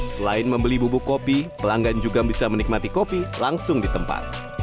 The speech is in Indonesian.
selain membeli bubuk kopi pelanggan juga bisa menikmati kopi langsung di tempat